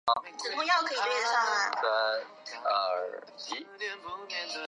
几乎快晕了过去